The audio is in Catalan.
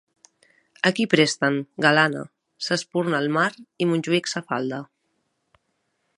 A qui presten, galana, sa espurna el mar i Montjuïc sa falda.